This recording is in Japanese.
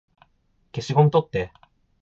消しゴム取って